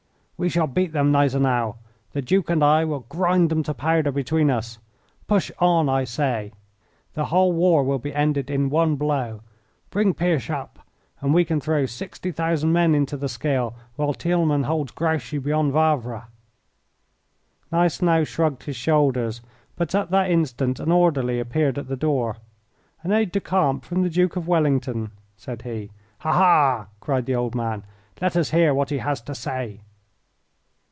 "We shall beat them, Gneisenau; the Duke and I will grind them to powder between us. Push on, I say! The whole war will be ended in one blow. Bring Pirsch up, and we can throw sixty thousand men into the scale while Thielmann holds Grouchy beyond Wavre." Gneisenau shrugged his shoulders, but at that instant an orderly appeared at the door. "An aide de camp from the Duke of Wellington," said he. "Ha, ha!" cried the old man; "let us hear what he has to say!"